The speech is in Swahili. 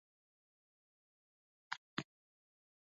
Daktari amemtibu mgonjwa.